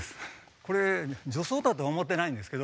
これ女装だとは思ってないんですけど。